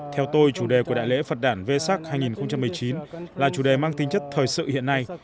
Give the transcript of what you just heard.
theo tôi chủ đề của đại lễ phật đàn vê sắc hai nghìn một mươi chín là chủ đề mang tính chất thời sự hiện nay